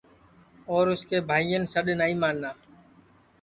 اور اُس کے بھائین سڈؔ نائی مانا